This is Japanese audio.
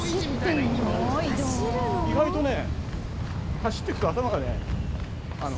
意外とね。